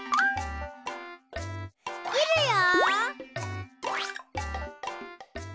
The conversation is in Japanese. きるよ！